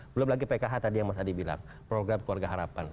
belum lagi pkh tadi yang mas adi bilang program keluarga harapan